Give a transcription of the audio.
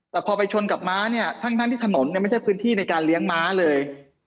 แต่พอไปชนกับม้าเนี่ยทั้งที่ถนนเนี่ยไม่ใช่พื้นที่ในการเลี้ยงม้าเลย